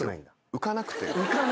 浮かなくて。